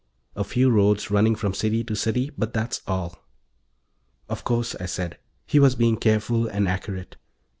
A few roads running from city to city, but that's all." "Of course," I said. He was being careful and accurate.